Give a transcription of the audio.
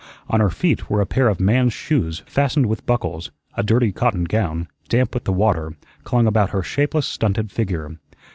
On her feet were a pair of man's shoes fastened with buckles; a dirty cotton gown, damp with the water, clung about her shapeless, stunted figure.